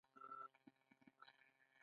قدرت د ژوند د ټولو اړخونو توازن ساتي.